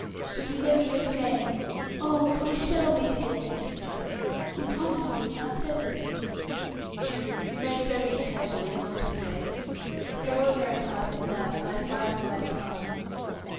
"Should we never meet again " "Oh, but we shall meet again," she interrupted. "You promised Lord Mount Severn." "True; we may so meet casually once in a way; but our ordinary paths in life lie far and wide apart.